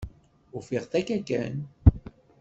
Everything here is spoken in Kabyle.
Ufiɣ-t akka kan.